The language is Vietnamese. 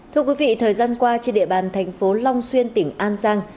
thưa quý vị thời gian qua trên địa bàn thành phố long xuyên tỉnh an giang